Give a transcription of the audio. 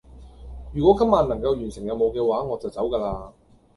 如果今晚能夠完成任務嘅話，我就走架喇